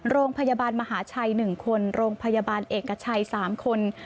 โรงพยาบาลมหาชัย๑คนโรงพยาบาลเอกชัย๓คน